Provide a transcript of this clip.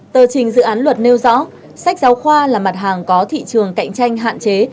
tờ trình dự án luật nêu rõ sách giáo khoa là mặt hàng có thị trường cạnh tranh hạn chế